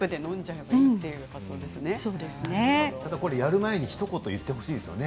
ただ、やる前にひと言、言ってほしいですね。